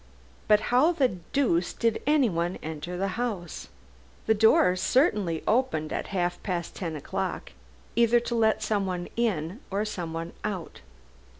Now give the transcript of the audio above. But how the deuce did anyone enter the house? The door certainly opened at half past ten o'clock, either to let someone in or someone out.